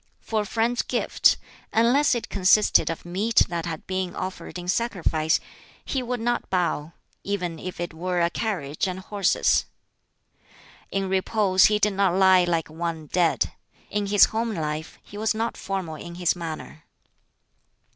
For a friend's gift unless it consisted of meat that had been offered in sacrifice he would not bow, even if it were a carriage and horses. In repose he did not lie like one dead. In his home life he was not formal in his manner.